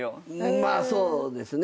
まあそうですね。